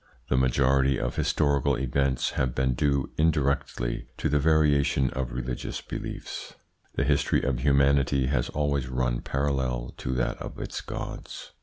The majority of historical events have been due indirectly to the variation of religious beliefs. The history of humanity has always run parallel to that of its gods.